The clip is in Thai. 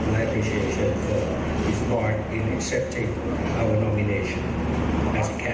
และฉันรักษ์การรับนมีเกสติกสัญชาติในการเป็นผู้รอบรับสินค้า